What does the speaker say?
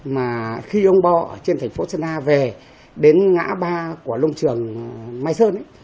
mà khi ông bò ở trên thành phố sơn a về đến ngã ba của lông trường mai sơn